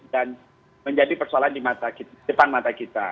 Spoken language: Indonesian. dan menjadi persoalan di depan mata kita